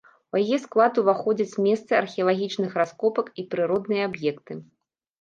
У яе склад уваходзяць месцы археалагічных раскопак і прыродныя аб'екты.